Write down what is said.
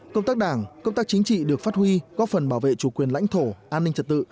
công tác đảng công tác chính trị được phát huy góp phần bảo vệ chủ quyền lãnh thổ an ninh trật tự